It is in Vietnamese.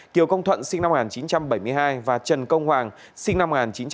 kiều công thuận sinh năm một nghìn chín trăm bảy mươi hai và trần công hoàng sinh năm một nghìn chín trăm tám mươi